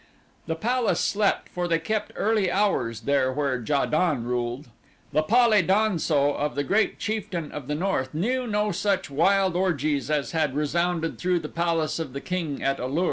The palace slept for they kept early hours there where Ja don ruled. The pal e don so of the great chieftain of the north knew no such wild orgies as had resounded through the palace of the king at A lur.